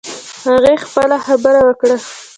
هغې خپله خبره وکړه